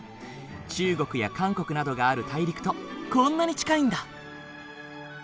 中国や韓国などがある大陸とこんなに近いんだ。